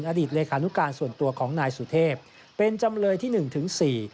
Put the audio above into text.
ในฐานการณ์ส่วนตัวของนายสุเทพเป็นจำเลยที่๑๔